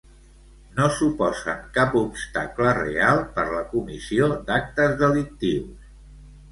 No suposen cap obstacle real per la comissió d'actes delictius.